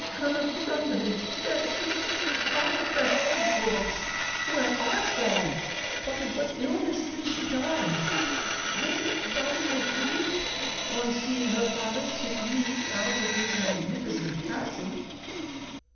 "Cunegonde is dead! Ah, best of worlds, where art thou? But of what illness did she die? Was it not for grief, upon seeing her father kick me out of his magnificent castle?"